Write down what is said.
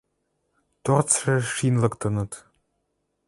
Торцшы шин лыктыныт.